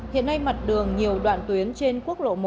hiện nay mặt đường nhiều đoạn tuyến trên quốc lộ một